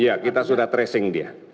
iya kita sudah tracing dia